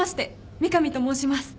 三上と申します。